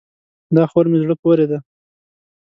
دا خور مې زړه پورې ده.